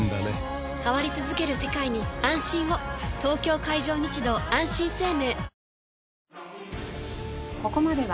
東京海上日動あんしん生命